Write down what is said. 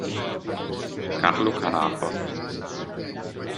Carlo Carafa